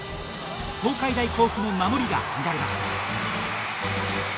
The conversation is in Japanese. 東海大甲府の守りが乱れました。